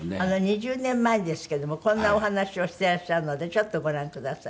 ２０年前ですけどもこんなお話をしてらっしゃるのでちょっとご覧ください。